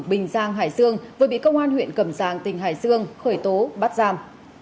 bình giang hải dương vừa bị công an huyện cầm giang tỉnh hải dương khởi tố bắt giam